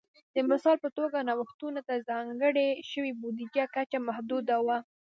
د مثال په توګه نوښتونو ته ځانګړې شوې بودیجې کچه محدوده وه